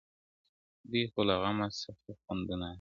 o دوى خو، له غمه څه خوندونه اخلي.